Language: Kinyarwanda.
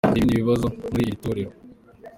Hari ibindi bibazo muri iri torero….